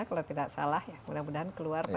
kalau tidak salah ya mudah mudahan keluar